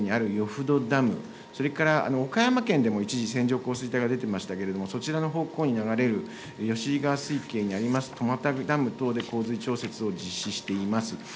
ふどダム、それから岡山県でも一時、線状降水帯が出てましたけれども、そちらの方向に流れるよしい川水系にあります、ダム等で洪水調節を実施しています。